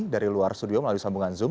dari luar studio melalui sambungan zoom